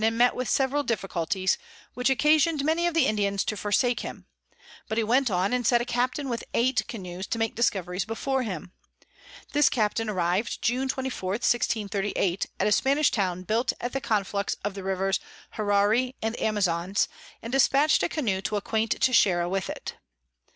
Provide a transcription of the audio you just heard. and met with several Difficulties, which occasion'd many of the Indians to forsake him; but he went on, and sent a Captain with eight Canoes to make Discoveries before him. This Captain arriv'd June 24. 1638. at a Spanish Town built at the Conflux of the Rivers Huerari and Amazons, and dispatch'd a Canoe to acquaint Texeira with it.